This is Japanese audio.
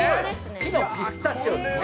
ピノピスタチオですね。